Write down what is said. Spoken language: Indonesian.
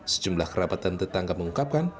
sejumlah kerabatan tetangga mengungkapkan